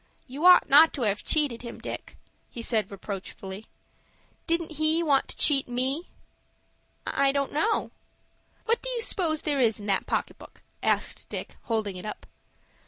"You ought not to have cheated him, Dick," he said, reproachfully. "Didn't he want to cheat me?" "I don't know." "What do you s'pose there is in that pocket book?" asked Dick, holding it up.